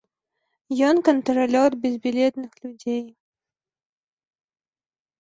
Ён кантралёр безбілетных людзей.